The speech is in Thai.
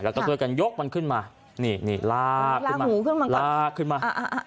แล้วก็ตรงนั้นยกมันขึ้นมาลากขึ้นมา